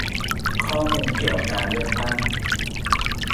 ข้อมูลเกี่ยวกับการเลือกตั้ง